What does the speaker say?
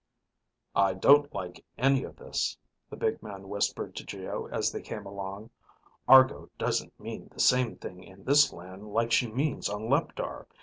"I don't like any of this," the big man whispered to Geo as they came along. "Argo doesn't mean the same thing in this land like she means on Leptar.